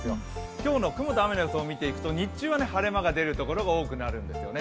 今日の雲と雨の予想を見ていくと、日中は晴れ間が出るところが多いんですね。